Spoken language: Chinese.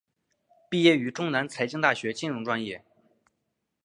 毕业于中南财经大学金融专业。